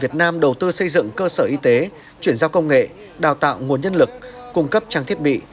việt nam đầu tư xây dựng cơ sở y tế chuyển giao công nghệ đào tạo nguồn nhân lực cung cấp trang thiết bị